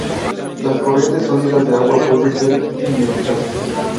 Las corrientes sólidas de agua pueden ser ineficaces.